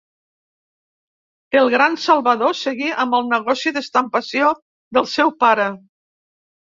El gran, Salvador, seguí amb el negoci d'estampació del seu pare.